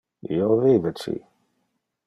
Io vive ci.